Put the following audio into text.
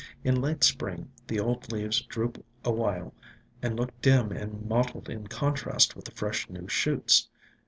In late spring the old leaves droop awhile and look dim and mottled in contrast with the fresh new shoots.